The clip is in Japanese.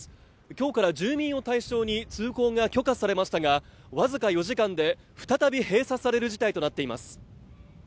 今日から住民を対象に通行が許可されましたが僅か４時間で、再び閉鎖される事態となっています。